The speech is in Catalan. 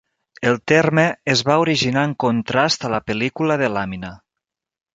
El terme es va originar en contrast a la pel·lícula de làmina.